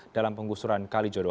dalam penggusuran kalijodo